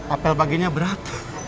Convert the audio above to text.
apel paginya berat